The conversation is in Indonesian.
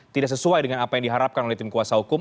tidak sesuai dengan apa yang diharapkan oleh tim kuasa hukum